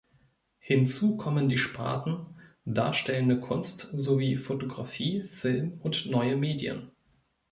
Hinzu kommen die Sparten Darstellende Kunst sowie Fotografie, Film und Neue Medien.